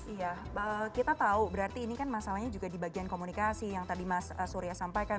iya kita tahu berarti ini kan masalahnya juga di bagian komunikasi yang tadi mas surya sampaikan